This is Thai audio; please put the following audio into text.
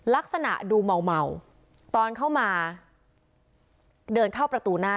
ลักษณะดูเมาตอนเข้ามาเดินเข้าประตูหน้า